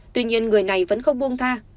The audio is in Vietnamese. tuy nhiên người này vẫn không buông tha